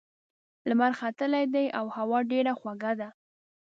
لمر ختلی دی او هوا ډېره خوږه ده.